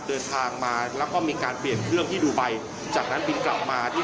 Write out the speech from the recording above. เดินทางมาแล้วก็มีการเปลี่ยนเครื่องที่ดูไบ